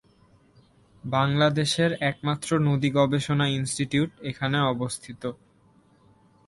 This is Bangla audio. বাংলাদেশের একমাত্র নদী গবেষণা ইনস্টিটিউট এখানে অবস্থিত।